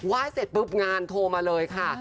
เสร็จปุ๊บงานโทรมาเลยค่ะ